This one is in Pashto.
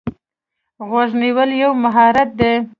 غوږ نیول یو مهارت دی.